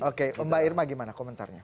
oke mbak irma gimana komentarnya